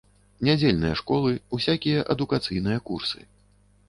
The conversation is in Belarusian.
Нядзельныя школы, усякія адукацыйныя курсы.